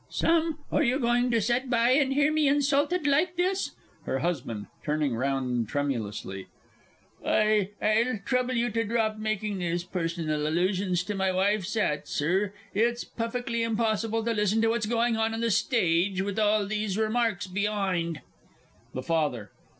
Sam, are you going to set by and hear me insulted like this? HER HUSBAND (turning round tremulously). I I'll trouble you to drop making these personal allusions to my wife's 'at, Sir. It's puffickly impossible to listen to what's going on on the stage with all these remarks be'ind! THE FATHER.